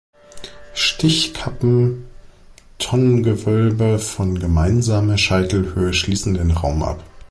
Stichkappentonnengewölbe von gemeinsamer Scheitelhöhe schließen den Raum ab.